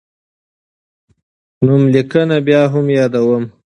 نوملیکنه بیا هم یادوم.